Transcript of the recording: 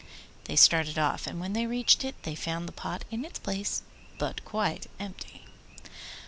They started off, and when they reached it they found the pot in its place, but quite empty!